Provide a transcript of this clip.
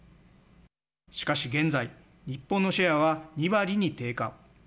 しかし現在日本のシェアは２割に低下。